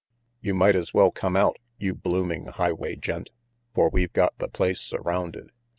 "You might as well come out, you blooming highway gent, for we've got the place surrounded.